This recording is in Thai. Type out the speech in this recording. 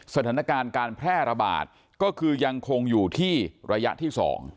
สถานการณ์การแพร่ระบาดก็คือยังคงอยู่ที่ระยะที่๒